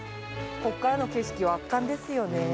ここからの景色は圧巻ですよね。